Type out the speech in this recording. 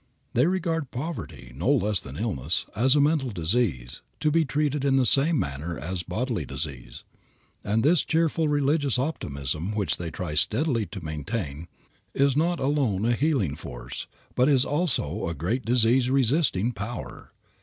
They regard poverty, no less than illness, as a mental disease, to be treated in the same manner as bodily disease; and this cheerful religious optimism which they try steadily to maintain is not alone a healing force, but is also a great disease resisting power.